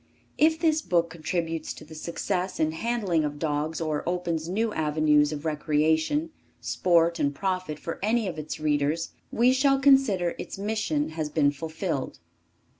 If this book contributes to the success in handling of dogs or opens new avenues of recreation, sport and profit for any of its readers, we shall consider its mission has been fulfilled.